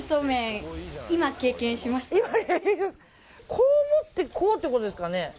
こう持ってこうってことですかね。